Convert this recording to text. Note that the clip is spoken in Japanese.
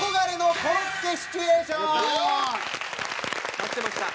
待ってました。